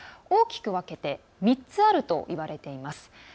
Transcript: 大きく分けて３つあるといわれています。